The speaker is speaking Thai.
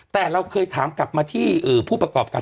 แต่เราเคยถามกลับมาที่ผู้ประกอบการ